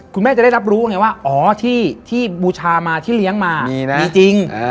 คุณแม่จะได้รับรู้ไงว่าอ๋อที่บูชามาที่เลี้ยงมามีจริง